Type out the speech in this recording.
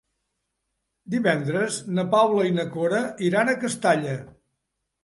Divendres na Paula i na Cora iran a Castalla.